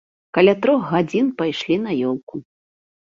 Каля трох гадзін пайшлі на ёлку.